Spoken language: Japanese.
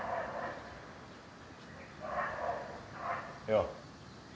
よう